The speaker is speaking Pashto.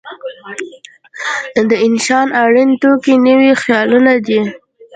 د انشأ اړین توکي نوي خیالونه دي.